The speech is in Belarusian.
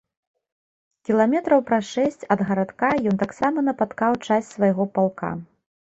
Кіламетраў праз шэсць ад гарадка ён таксама напаткаў часць з свайго палка.